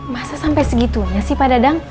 masa sampai segitunya sih pada dang